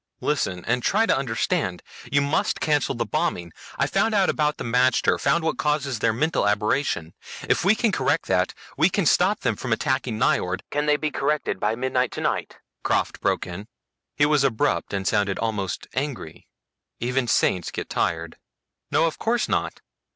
Listen and try to understand. You must cancel the bombing. I've found out about the magter, found what causes their mental aberration. If we can correct that, we can stop them from attacking Nyjord " "Can they be corrected by midnight tonight?" Krafft broke in. He was abrupt and sounded almost angry. Even saints get tired. "No, of course not."